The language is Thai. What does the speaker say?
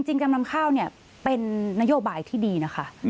จริงจำนำข้าวเป็นนโยบายที่ดีนะคะ